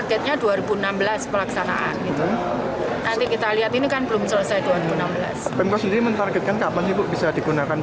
pemkot sendiri menkargetkan kapan sih bu bisa digunakan